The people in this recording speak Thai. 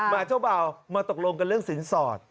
เจ้าเบามาตกลงกันเรื่องสินสอด